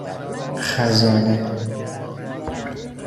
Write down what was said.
خزانه